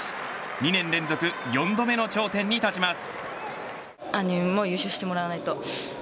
２年連続４度目の頂点に立ちます。